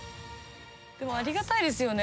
ありがたいですよね